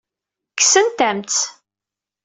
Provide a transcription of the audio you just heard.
Kksent-am-t.